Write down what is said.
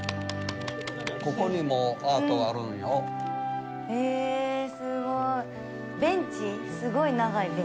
ここにもアートがあるんよ。